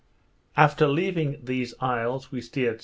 After leaving these isles, we steered S.